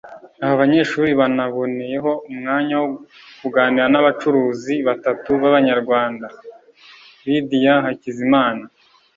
Aba banyeshuri banaboneyeho umwanya wokuganira n’abacuruzi batatu b’Abanyarwanda Lydie Hakizimana (Drakkar Ltd)